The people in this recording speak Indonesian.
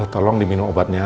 tolong diminum obatnya